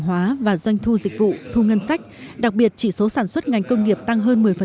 hóa và doanh thu dịch vụ thu ngân sách đặc biệt chỉ số sản xuất ngành công nghiệp tăng hơn một mươi